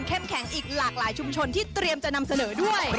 แข็งอีกหลากหลายชุมชนที่เตรียมจะนำเสนอด้วย